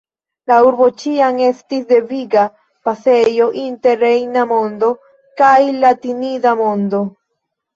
La urbo ĉiam estis deviga pasejo inter rejna mondo kaj latinida mondo.